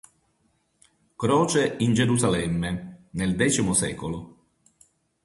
Croce in Gerusalemme, nel X sec.